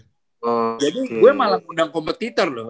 jadi gue malah ngundang kompetitor loh